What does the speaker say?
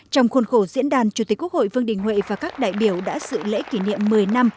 trong khuôn khổ diễn đàn chủ tịch quốc hội vương đình huệ và các đại biểu đã sự lễ kỷ niệm một mươi năm